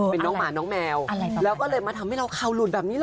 เป็นน้องหมาน้องแมวแล้วก็เลยมาทำให้เราเข่าหลุดแบบนี้เหรอ